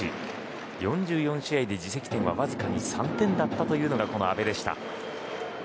４４試合で自責点わずかに３点だったというのがこの阿部でした。